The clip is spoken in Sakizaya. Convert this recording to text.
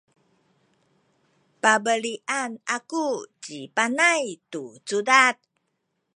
pabelian aku ci Panay tu cudad.